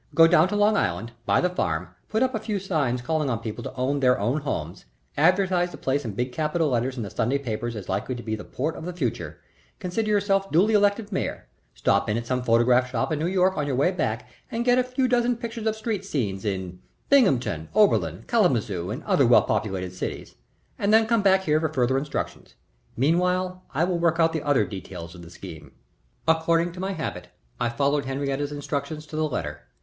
Go down to Long Island, buy the farm, put up a few signs calling on people to own their own homes; advertise the place in big capital letters in the Sunday papers as likely to be the port of the future, consider yourself duly elected mayor, stop in at some photograph shop in New York on your way back and get a few dozen pictures of street scenes in Binghamton, Oberlin, Kalamazoo, and other well populated cities, and then come back here for further instructions. Meanwhile I will work out the other details of the scheme." According to my habit I followed Henriette's instructions to the letter.